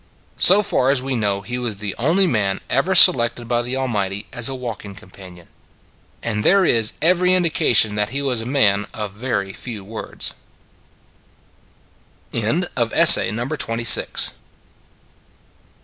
So far as we know he was the only man ever selected by the Almighty as a walking companion. And there is every indication that he was a man of very few words.